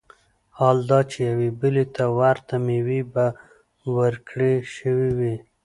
حال دا چي يوې بلي ته ورته مېوې به وركړى شوې وي